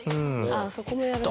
そこもやるんだ。